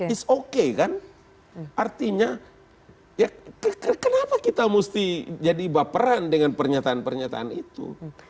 itu oke kan artinya kenapa kita mesti jadi baperan dengan pernyataan pernyataan itu